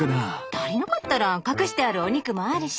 足りなかったら隠してあるお肉もあるし。